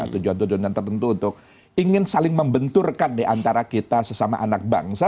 tujuan tujuan tertentu untuk ingin saling membenturkan diantara kita sesama anak bangsa